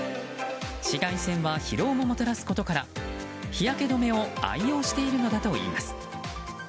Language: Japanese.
紫外線は疲労をもたらすことから日焼け止めを愛用しているのだといいます。